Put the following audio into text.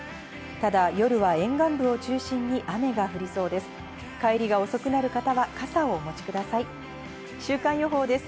ただ、夜は沿岸部を中心に雨が降りそうです。